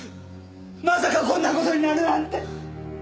まさかこんな事になるなんて！